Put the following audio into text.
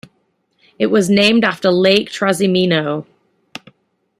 It was named after Lake Trasimeno.